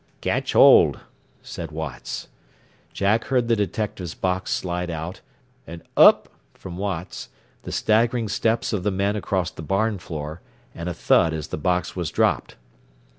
"Catch hold," said Watts. Jack heard the detective's box slide out, an "Up!" from Watts, the staggering steps of the men across the barn floor, and a thud as the box was dropped.